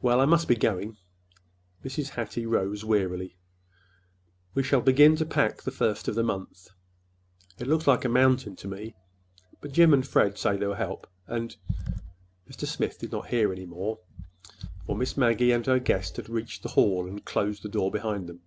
Well, I must be going." Mrs. Hattie rose wearily. "We shall begin to pack the first of the month. It looks like a mountain to me, but Jim and Fred say they'll help, and—" Mr. Smith did not hear any more, for Miss Maggie and her guest had reached the hall and had closed the door behind them.